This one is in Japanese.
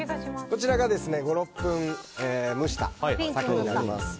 こちらが５６分蒸したサケになります。